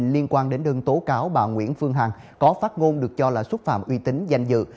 liên quan đến đơn tố cáo bà nguyễn phương hằng có phát ngôn được cho là xúc phạm uy tín danh dự